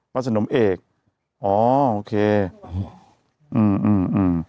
วัสดนมเอกอ๋อโอเคอืมอืมอืม